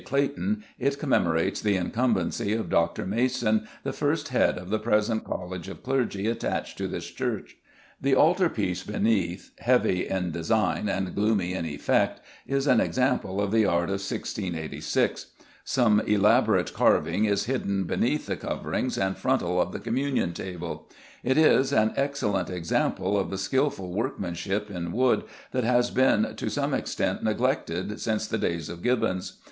Clayton, it commemorates the incumbency of Dr. Mason, the first Head of the present College of Clergy attached to this church. The altar piece beneath, heavy in design and gloomy in effect, is an example of the art of 1686. Some elaborate carving is hidden beneath the coverings and frontal of the Communion Table: it is an excellent example of the skilful workmanship in wood that has been to some extent neglected since the days of Gibbons.